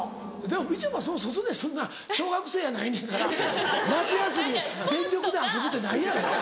でもみちょぱそう外でそんな小学生やないねんから夏休み全力で遊ぶってないやろ。